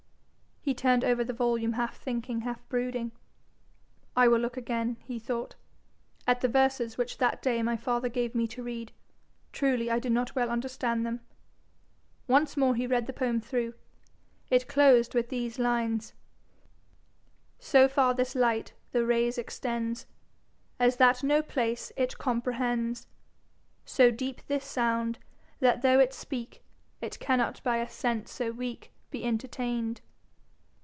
He turned over the volume half thinking, half brooding. 'I will look again,' he thought, 'at the verses which that day my father gave me to read. Truly I did not well understand them.' Once more he read the poem through. It closed with these lines: So far this Light the Raies extends, As that no place It comprehends. So deepe this Sound, that though it speake, It cannot by a Sence so weake Be entertain'd.